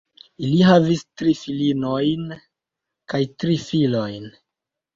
Ili havis tri filinojn kaj tri filojn.